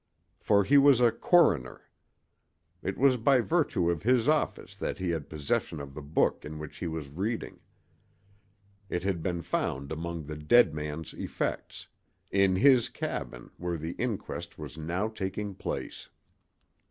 For he was a coroner. It was by virtue of his office that he had possession of the book in which he was reading; it had been found among the dead man's effects—in his cabin, where the inquest was now taking place.